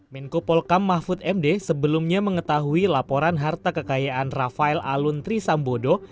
menko polkam mahfud md sebelumnya mengetahui laporan harta kekayaan rafael alun trisambodo